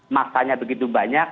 masanya begitu banyak